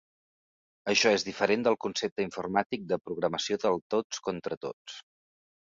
Això és diferent del concepte informàtic de programació del tots contra tots.